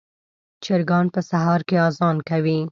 چرګان په سهار کې اذان کوي.